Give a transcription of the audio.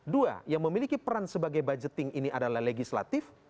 dua yang memiliki peran sebagai budgeting ini adalah legislatif